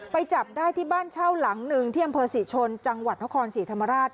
จับได้ที่บ้านเช่าหลังหนึ่งที่อำเภอศรีชนจังหวัดนครศรีธรรมราช